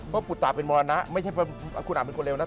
ปุตตะเป็นมรณะไม่ใช่คุณอ่านเป็นคนเร็วนะ